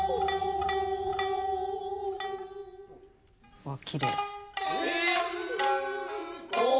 うわっきれい。